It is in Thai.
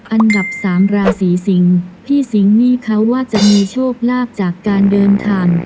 อันดับสามราศีสิงพี่สิงหนี้เขาว่าจะมีโชคลาภจากการเดินทาง